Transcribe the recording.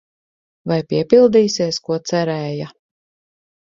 Vai piepildīsies, ko cerēja?